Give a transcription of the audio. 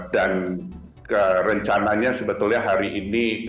dan rencananya sebetulnya hari ini